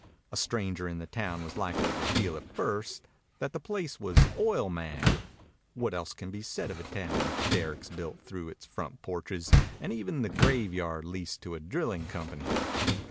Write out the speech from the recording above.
A stranger in the town was likely to feel at first that the place was oil mad. What else can be said of a town with derricks built through its front porches and even the graveyard leased to a drilling company?